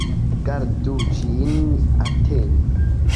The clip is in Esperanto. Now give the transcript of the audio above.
Gardu ĝin, atendu!